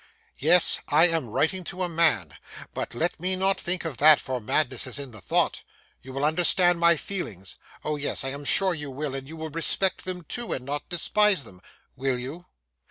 Yes, I am writing to a man; but let me not think of that, for madness is in the thought. You will understand my feelings? O yes, I am sure you will; and you will respect them too, and not despise them,—will you?